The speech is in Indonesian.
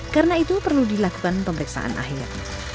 karena itu perlu dilakukan pemeriksaan akhir